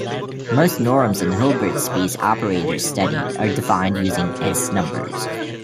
Most norms on Hilbert space operators studied are defined using "s"-numbers.